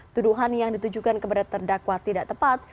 tuduhan yang ditujukan kepada terdakwa tidak tepat